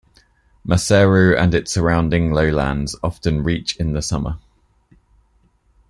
Maseru and its surrounding lowlands often reach in the summer.